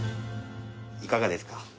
いかがですか？